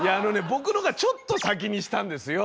僕のがちょっと先にしたんですよ。